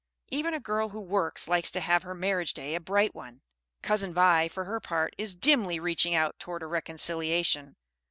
Even a girl who works likes to have her marriage day a bright one. Cousin Vi, for her part, is dimly reaching out toward a reconciliation.